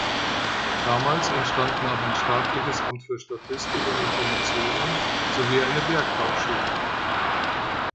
Damals entstanden auch ein staatliches Amt für Statistik und Informationen sowie eine Bergbauschule.